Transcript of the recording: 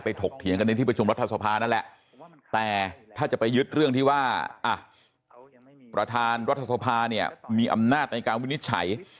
ถกเถียงกันในที่ประชุมรัฐสภานั่นแหละแต่ถ้าจะไปยึดเรื่องที่ว่าประธานรัฐสภาเนี่ยมีอำนาจในการวินิจฉัย